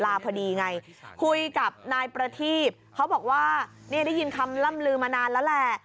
พอดีไงคุยกับนายประทีบเขาบอกว่าเนี่ยได้ยินคำล่ำลือมานานแล้วแหละ